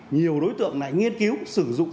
nhiều đối tượng này nghiên cứu sử dụng